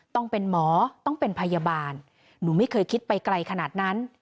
ต้องเป็นหมอต้องเป็นพยาบาลหนูไม่เคยคิดไปไกลขนาดนั้น